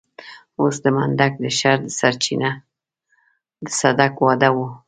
اوس د منډک د شر سرچينه د صدک واده و.